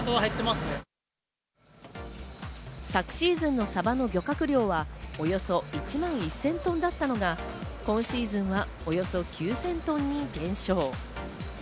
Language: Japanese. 昨シーズンのサバの漁獲量は、およそ１万１０００トンだったのが、今シーズンはおよそ９０００トンに減少。